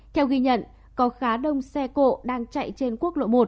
theo ghi nhận có khá đông xe cộ đang chạy trên quốc lộ một